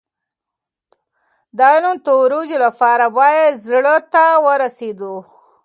د علم د ترویج لپاره باید زړه ته ورسېدو.